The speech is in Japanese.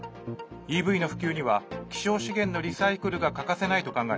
ＥＶの普及には希少資源のリサイクルが欠かせないと考え